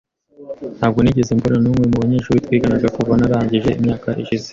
Ntabwo nigeze mbona numwe mubanyeshuri twiganaga kuva narangije imyaka ishize.